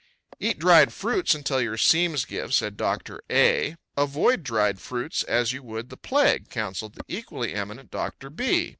Eat dried fruits until your seams give, said Doctor A. Avoid dried fruits as you would the plague, counseled the equally eminent Doctor B.